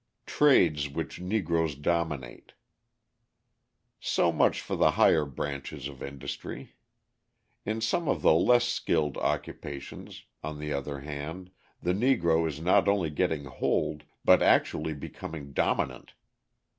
Trades Which Negroes Dominate So much for the higher branches of industry. In some of the less skilled occupations, on the other hand, the Negro is not only getting hold, but actually becoming dominant.